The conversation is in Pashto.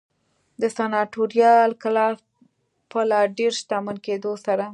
د سناتوریال کلاس په لا ډېر شتمن کېدو سره.